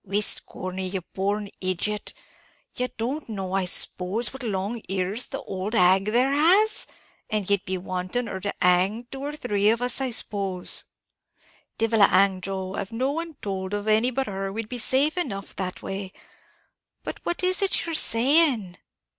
"Whist, Corney, ye born idiot, ye don't know I s'pose what long ears the old hag there has? and ye'd be wanting her to hang two or three of us, I s'pose?" "Divil a hang, Joe; av no one towld of any but her, we'd be safe enough that way; but what is it ye're saying?"